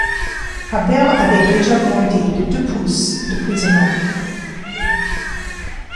Harbert avait déjà grandi de deux pouces depuis un an.